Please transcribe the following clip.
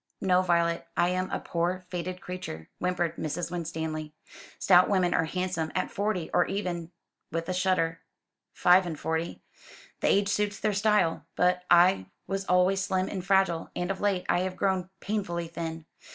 "No, Violet, I am a poor faded creature," whimpered Mrs. Winstanley, "stout women are handsome at forty, or even" with a shudder "five and forty. The age suits their style. But I was always slim and fragile, and of late I have grown painfully thin.